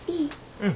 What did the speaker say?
うん。